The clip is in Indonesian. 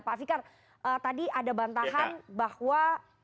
pak fikar tadi ada bantahan bahwa